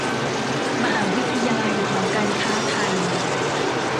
มหาวิทยาลัยหอการค้าไทย